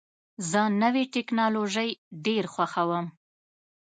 زه نوې ټکنالوژۍ ډېر خوښوم.